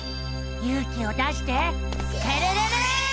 ゆう気を出してスクるるる！